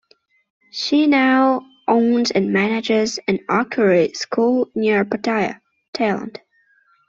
She now owns and manages an archery school near Pattaya, Thailand.